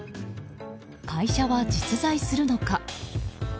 会社は実在するのか。